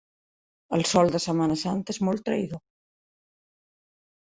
El sol de Setmana Santa és molt traïdor.